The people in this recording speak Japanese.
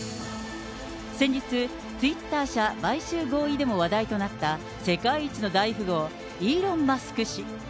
先日、ツイッター社買収合意でも話題となった、世界一の大富豪、イーロン・マスク氏。